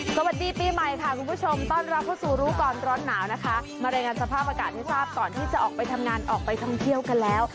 สวัสดีปีใหม่ค่ะคุณผู้ชมต้อนรับเข้าสู่รู้ก่อนร้อนหนาวนะคะมารายงานสภาพอากาศให้ทราบก่อนที่จะออกไปทำงานออกไปท่องเที่ยวกันแล้ว